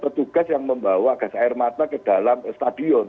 petugas yang membawa gas air mata ke dalam stadion